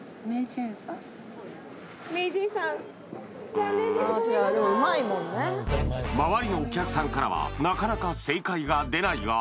残念ですごめんなさい周りのお客さんからはなかなか正解が出ないが